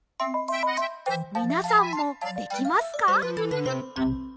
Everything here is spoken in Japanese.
みなさんもできますか？